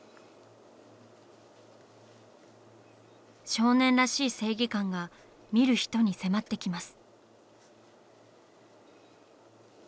少年らしい正義感が見る人に迫ってきます。